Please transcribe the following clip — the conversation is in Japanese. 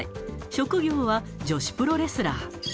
職業は女子プロレスラー。